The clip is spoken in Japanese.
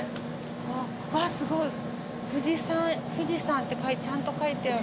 うわっすごい富士山ってちゃんと書いてある。